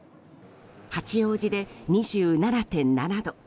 八王子で２７．７度。